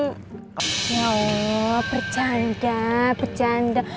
ya allah bercanda bercanda